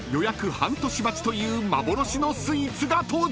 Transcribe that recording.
半年待ちという幻のスイーツが登場！］